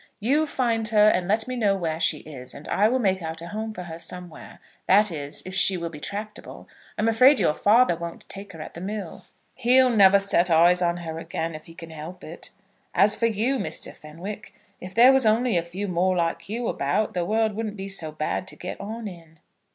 "You find her and let me know where she is, and I will make out a home for her somewhere; that is, if she will be tractable. I'm afraid your father won't take her at the mill." "He'll never set eyes on her again, if he can help it. As for you, Mr. Fenwick, if there was only a few more like you about, the world wouldn't be so bad to get on in.